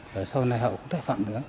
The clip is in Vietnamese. và sau này họ cũng thấy phẳng nữa